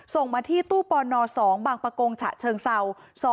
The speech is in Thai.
ส่งมาที่ตู้ปน๒บางประกงฉะเชิงเศร้า